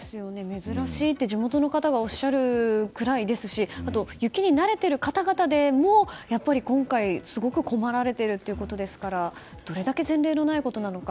珍しいって、地元の方がおっしゃるくらいですし雪に慣れている方々でもやっぱり今回すごく困られているということですからどれだけ前例のないことなのか。